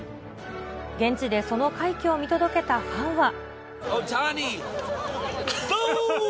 現地でその快挙を見届けたファンは。